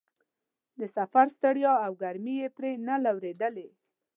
د سفر ستړیا او ګرمۍ یې پرې نه لورېدلې.